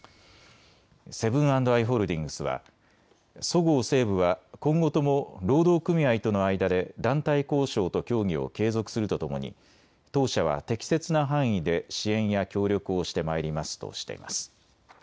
セブン＆アイ・ホールディングスはそごう・西武は今後とも労働組合との間で団体交渉と協議を継続するとともに当社は適切な範囲で支援や協力をしてまいりますとしています。